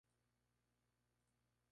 Badajoz: Imp.